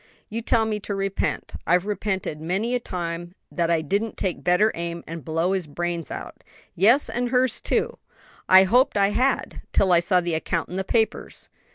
"You tell me to repent. I've repented many a time that I didn't take better aim and blow his brains out; yes, and hers too. I hoped I had, till I saw the account in the papers."